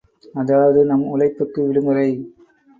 அதாவது, நம் உழைப்புக்கு விடுமுறை.